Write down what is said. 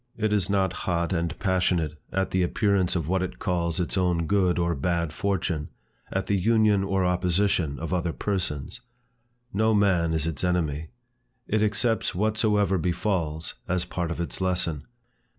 It is not hot and passionate at the appearance of what it calls its own good or bad fortune, at the union or opposition of other persons. No man is its enemy. It accepts whatsoever befalls, as part of its lesson.